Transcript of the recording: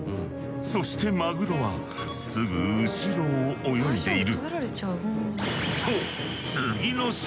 そしてマグロはすぐ後ろを泳いでいる。